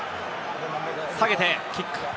下げてキック。